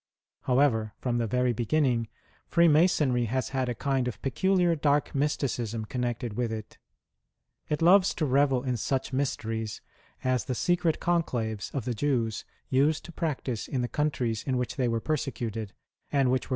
However, from the very beginning, Freemasonry has had a kind of peculiar dark mysticism connected with it. It loves to revel in such mysteries as the secret conclaves of the Jews used to practise in the countries in which they were persecuted, and which were 38 WAR OF ANTICHRIST WITH THE CHURCH.